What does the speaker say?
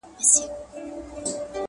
یو له بله کړو پوښتني لکه ښار د ماشومانو!.